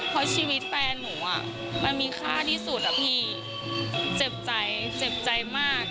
เพราะชีวิตแฟนหนูอ่ะมันมีค่าที่สุดอะพี่เจ็บใจเจ็บใจมาก